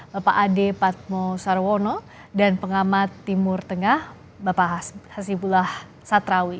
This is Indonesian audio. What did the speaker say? bapak ade patmo sarwono dan pengamat timur tengah bapak hasibullah satrawi